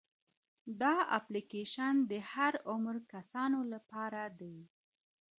دا اپلیکیشن د هر عمر کسانو لپاره دی.